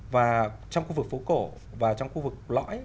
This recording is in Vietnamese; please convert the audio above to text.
và trong khu vực phố cổ và trong khu vực lõi